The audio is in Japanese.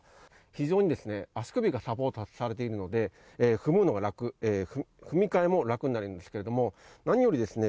非常に足首がサポートされているので踏むのが楽踏み替えも楽になるんですけど何よりですね